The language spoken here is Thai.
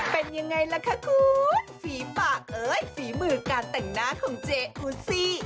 เป็นยังไงล่ะคะคุณฝีปากเอ้ยฝีมือการแต่งหน้าของเจอูซี่